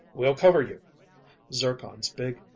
"We'll cover you!" Zircon's big .